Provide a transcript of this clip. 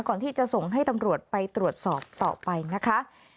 ก่อนที่จะส่งให้ตำรวจไปตรวจสอบต่อไปนะคะ